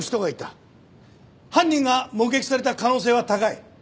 犯人が目撃された可能性は高い。